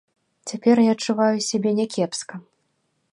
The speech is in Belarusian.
Цяпер я адчуваю сябе някепска.